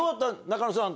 中野さん、